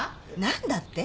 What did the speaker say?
何だって？